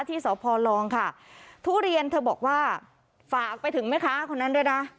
ที่สพลองค่ะทุเรียนเธอบอกว่าฝากไปถึงแม่ค้าคนนั้นด้วยนะ